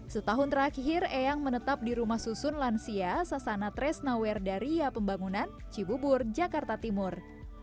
setahun terakhir eyang menetap di rumah susun lansia sasana tresnawer daria pembangunan cibubur jakarta timur